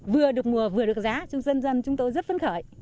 vừa được mùa vừa được giá cho dân dân chúng tôi rất phấn khởi